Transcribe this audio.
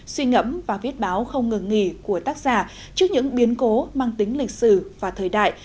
suy ngẫm và viết báo không ngừng nghỉ của tác giả trước những biến cố mang tính lịch sử và thời đại